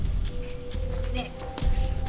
ねえ。